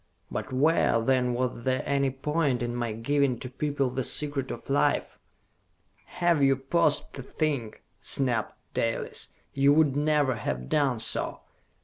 "But where, then, was there any point in my giving to people the Secret of Life?" "Had you paused to think," snapped Dalis, "you would never have done so!